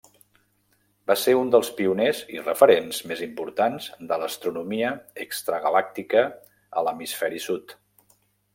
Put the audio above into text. Va ser un dels pioners i referents més important de l'Astronomia Extragalàctica a l'Hemisferi Sud.